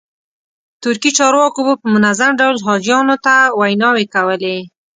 ترکي چارواکو به په منظم ډول حاجیانو ته ویناوې کولې.